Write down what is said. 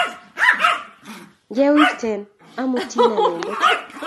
ngewirten amutin anendet